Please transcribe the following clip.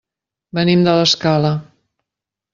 Venim de l'Escala.